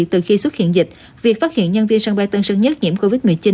từ khi xuất hiện dịch việc phát hiện nhân viên sân bay tân sơn nhất nhiễm covid một mươi chín